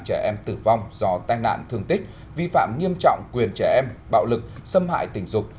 trẻ em tử vong do tai nạn thương tích vi phạm nghiêm trọng quyền trẻ em bạo lực xâm hại tình dục